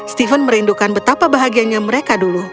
steven merindukan betapa bahagianya mereka dulu